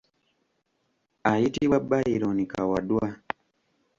Ayitibwa Byron Kawadwa .